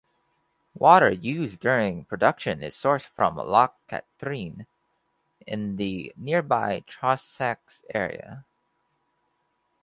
Water used during production is sourced from Loch Katrine in the nearby Trossachs area.